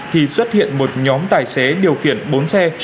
thì xuất hiện một nhóm tài xế điều khiển bốn xe